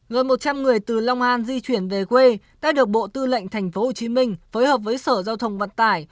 gần một trăm linh người từ long an di chuyển về quê đã được bộ tư lệnh tp hcm phối hợp với sở giao thông vận tải